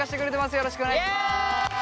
よろしくお願いします！